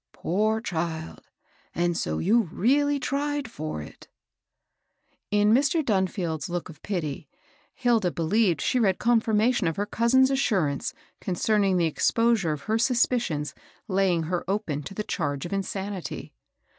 " Poor child ! and so you really tried for it ?" In Mr. Dunfield's look of pity Hilda believed she read confirmation of her cousin's assurance concerning the exposure of her suspicions laying her open to the charge of insanity.